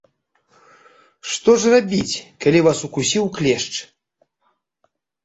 Што ж рабіць, калі вас укусіў клешч?